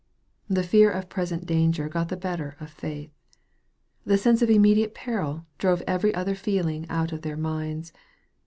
The fear of present danger got the better of faith. The Bense of immediate peril drove every other feeling cut of their minds.